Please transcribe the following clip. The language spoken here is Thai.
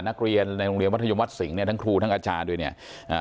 นักเรียนในโรงเรียนมัธยมวัดสิงห์เนี่ยทั้งครูทั้งอาจารย์ด้วยเนี่ยอ่า